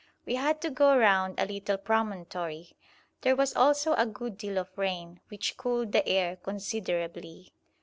We had to go round a little promontory. There was also a good deal of rain, which cooled the air considerably.